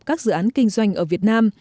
các dự án kinh doanh ở việt nam